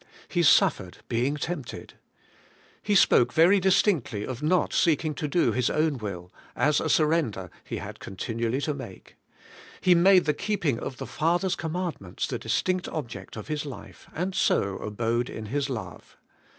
He suffered, be ing tempted. He spoke very distinctly of not seek ing to do His own will, as a surrender He had con tinually to make. He made the keeping of the Father's commandments the distinct object of His life, and so abode in His love.